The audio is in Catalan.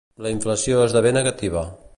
La inflació esdevé negativa.